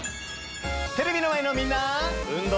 テレビの前のみんな！